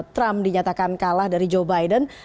trump dinyatakan kalah dari joe biden